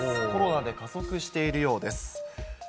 コロナで加速しているようです。